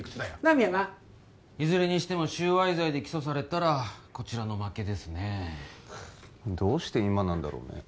深山いずれにしても収賄罪で起訴されたらこちらの負けですねどうして今なんだろうね？